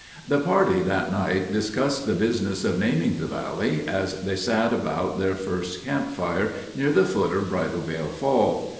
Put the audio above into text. The party that night discussed the business of naming the valley as they sat about their first campfire, near the foot of Bridalveil Fall.